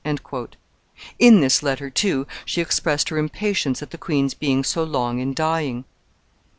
In this letter, too, she expressed her impatience at the queen's being so long in dying.